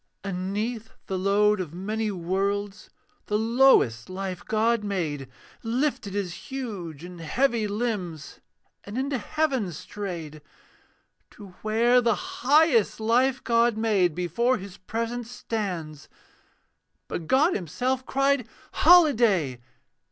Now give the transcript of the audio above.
And 'neath the load of many worlds, The lowest life God made Lifted his huge and heavy limbs And into heaven strayed. To where the highest life God made Before His presence stands; But God himself cried, 'Holiday!'